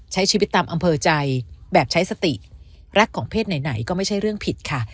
ใช้ชีวิตตามอำเภอใจแบบใช้สติรักของเพศไหนก็ไม่ใช่เรื่องผิดค่ะ